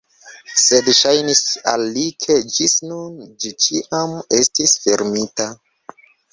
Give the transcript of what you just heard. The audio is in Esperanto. Sed ŝajnis al li, ke ĝis nun ĝi ĉiam estis fermita.